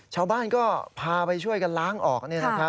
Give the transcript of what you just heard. ชาวบ้านก็พาไปช่วยกันล้างออก